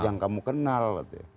yang kamu kenal